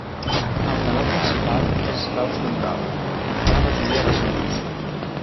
El tenor principal és l'Austin Brown, qui fa la majoria de solos.